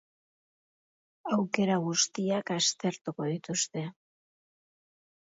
Aukera guztiak aztertuko dituzte.